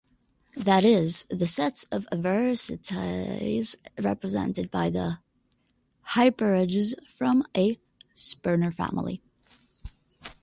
That is, the sets of vertices represented by the hyperedges form a Sperner family.